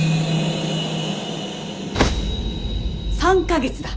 ３か月だ。